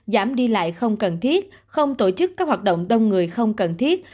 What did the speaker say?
giảm đi lại không cần thiết không tổ chức các hoạt động đông người không cần thiết